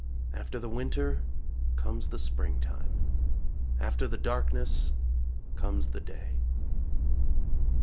After the winter comes the springtime; After the darkness comes the day.